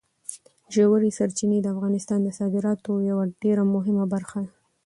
ژورې سرچینې د افغانستان د صادراتو یوه ډېره مهمه برخه ده.